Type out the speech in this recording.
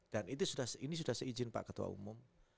dan ini sudah seizin pak ketua umum